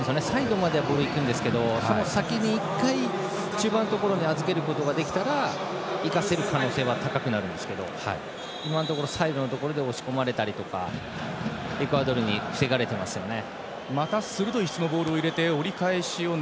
サイドまでは行けますけどその先に１回、中盤のところで預けることができたら生かせる可能性は高くなるんですけど、今のところサイドで押し込まれたりエクアドルに防がれていますね。